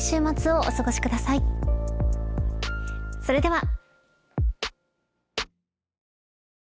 それでは。